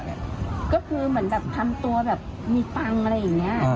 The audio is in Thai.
ก็คือเหมือนแบบทำตัวแบบมีตังค์อะไรอย่างนี้